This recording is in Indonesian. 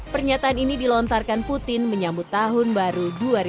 pernyataan ini dilontarkan putin menyambut tahun baru dua ribu dua puluh